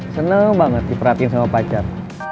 senang banget diperhatiin sama pacar